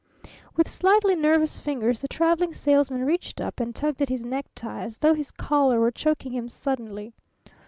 '" With slightly nervous fingers the Traveling Salesman reached up and tugged at his necktie as though his collar were choking him suddenly.